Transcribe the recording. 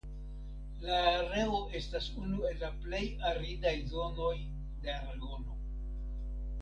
La areo estas unu el la plej aridaj zonoj de Aragono.